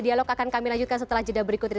dialog akan kami lanjutkan setelah jeda berikutnya